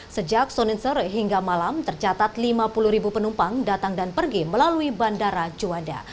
sejak senin sore hingga malam tercatat lima puluh ribu penumpang datang dan pergi melalui bandara juanda